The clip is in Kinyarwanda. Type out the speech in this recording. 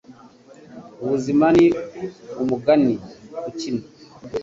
Ubuzima ni umugani ukina.